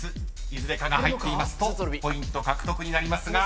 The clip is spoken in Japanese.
いずれかが入っていますとポイント獲得になりますが］